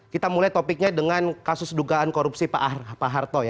kita mulai topiknya dengan kasus dugaan korupsi pak harto ya